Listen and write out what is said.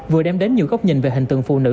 vừa đem đến nhiều góc nhìn về hình tượng phụ nữ